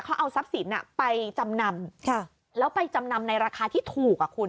เขาเอาทรัพย์สินไปจำนำแล้วไปจำนำในราคาที่ถูกอ่ะคุณ